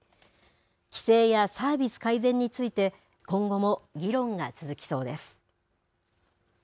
規制やサービス改善について、今後も議論が続きそうです。